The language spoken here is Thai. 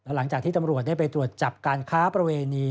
หลังจากที่ตำรวจได้ไปตรวจจับการค้าประเวณี